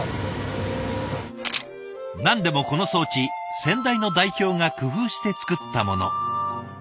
何でもこの装置先代の代表が工夫して作ったもの。